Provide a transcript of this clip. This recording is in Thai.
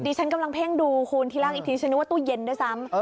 ฉันกำลังเพ่งดูคุณทีล่างอีกทีฉันนึกว่าตู้เย็นด้วยซ้ำ